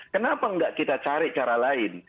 kenapa tidak kita cari cara lain